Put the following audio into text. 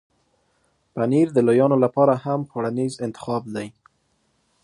پنېر د لویانو لپاره هم خوړنیز انتخاب دی.